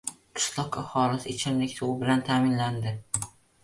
Qishloq aholisi ichimlik suvi bilan ta’minlandi